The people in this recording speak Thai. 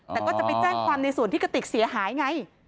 แต่ก็จะไปแจ้งความในส่วนที่กระติกเสียหายไง